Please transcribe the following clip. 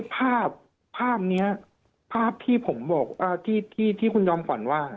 ภาพภาพนี้ภาพที่ผมอ่าที่ที่ที่คุณยอมฝ่อนว่าง